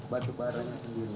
batu barang sendiri